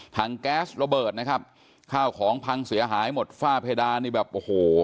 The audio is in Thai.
แก๊สระเบิดนะครับข้าวของพังเสียหายหมดฝ้าเพดานนี่แบบโอ้โห